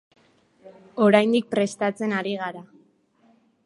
Oraindik prestatzen ari gara.